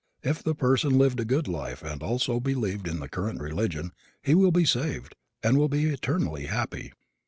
If the person lived a good life and also believed in the current religion he will be "saved" and will be eternally happy.